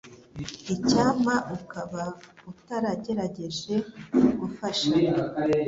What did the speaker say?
Icyampa ukaba utaragerageje gufasha